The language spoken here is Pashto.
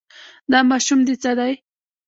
دا ماشوم دې څه دی.